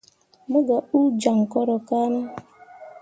Mo gah uu jaŋ koro kane.